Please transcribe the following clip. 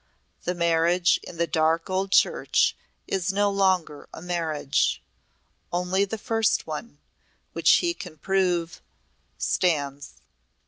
The marriage in the dark old church is no longer a marriage. Only the first one which he can prove stands."